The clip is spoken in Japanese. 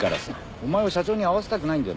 お前を社長に会わせたくないんだよ。